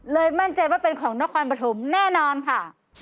มั่นใจว่าเป็นของนครปฐมแน่นอนค่ะ